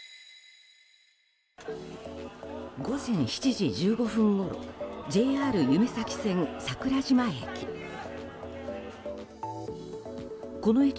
午前７時１５分ごろＪＲゆめ咲線桜島駅。